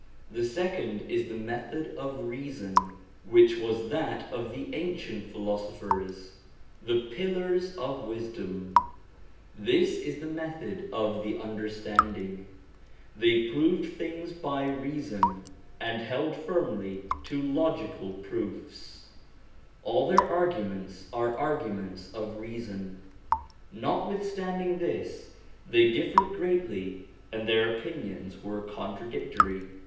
The second is the method of reason, which was that of the ancient philosophers, the pillars of wisdom ; this is the method of the understanding. They proved things by reason, and held firmly to logical proofs ; all 335 336 SOME ANSWERED QUESTIONS their arguments are arguments of reason. Notwith standing this, they differed greatly, and their opinions were contradictory.